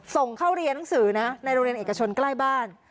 ส่งเข้าเรียนหนังสือนะในโรงเรียนเอกชนใกล้บ้าน